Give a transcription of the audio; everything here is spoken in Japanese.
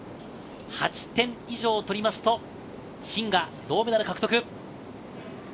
８点以上を取りますと、シンが銅メダル獲得。